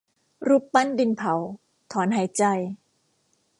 รูปปั้นดินเผาถอนหายใจ